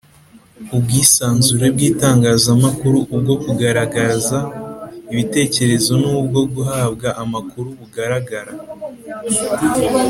Ubwisanzure bw itangazamakuru ubwo kugaragaza ibitekerezo n ubwo guhabwa amakuru bugaragara